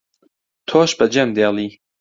تۆش بەجێم دێڵی